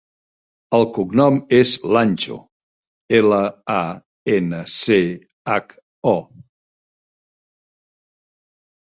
El cognom és Lancho: ela, a, ena, ce, hac, o.